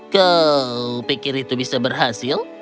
kau pikir itu bisa berhasil